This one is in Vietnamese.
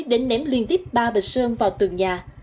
đến ném liên tiếp ba bạch sơn vào tường nhà